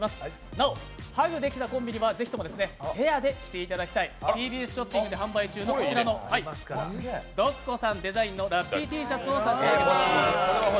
なおハグできたコンビにはぜひともペアで着ていただきたいＴＢＳショッピングで販売中のこちらのｄｏｃｃｏさんデザインのラッピーＴシャツを差し上げます。